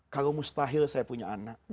kalau mustahil saya punya anak